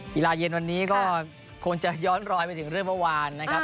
กีฬาเย็นวันนี้ก็คงจะย้อนรอยไปถึงเรื่องเมื่อวานนะครับ